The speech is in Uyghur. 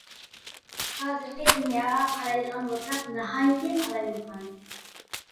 ھازىرقى دۇنياغا قارايدىغان بولساق ناھايىتى قالايمىقان.